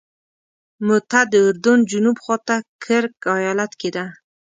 موته د اردن جنوب خواته کرک ایالت کې ده.